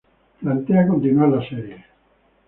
Planea continuar la serie.